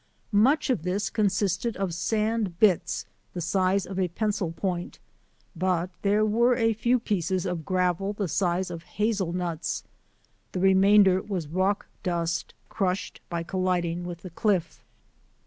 Much of this consisted of sand bits the size of a pencil point, but there were a few pieces of gravel the size of hazel nuts; the remainder was rock dust crushed by col liding with the cliff.